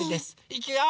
いくよ！